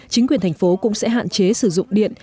chính quyền thành phố cũng sẽ hạn chế sử dụng điện